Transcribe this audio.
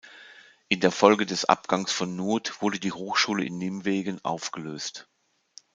In der Folge des Abgangs von Noodt wurde die Hochschule in Nimwegen aufgelöst.